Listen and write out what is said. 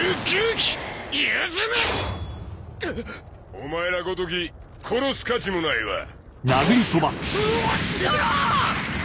お前らごとき殺す価値もないわゾロ！